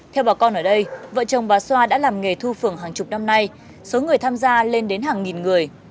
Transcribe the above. theo bà con ở đây vợ chồng bà xoa đã làm nghề thu phường hàng chục năm nay số người tham gia lên đến hàng nghìn người